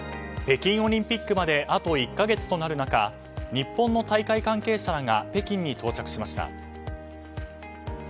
北京オリンピックまであと１か月となる中日本の大会関係者らが北京に到着しました。